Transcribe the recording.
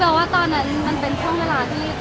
คือแบบว่าตอนนั้นมันเป็นช่วงเวลาที่ทุกคน